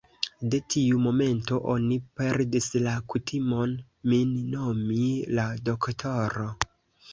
De tiu momento, oni perdis la kutimon, min nomi _la doktoro_.